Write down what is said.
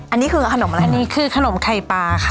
อันนี้คือขนมอะไรอันนี้คือขนมไข่ปลาค่ะ